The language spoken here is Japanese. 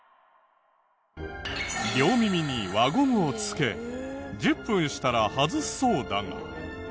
両耳に輪ゴムをつけ１０分したら外すそうだが。